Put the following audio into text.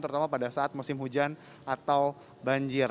terutama pada saat musim hujan atau banjir